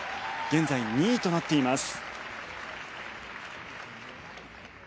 現在２位となっています。